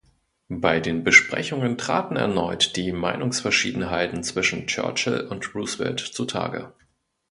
Bei den Besprechungen traten erneut die Meinungsverschiedenheiten zwischen Churchill und Roosevelt zu Tage.